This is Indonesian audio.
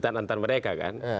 keributan antar mereka kan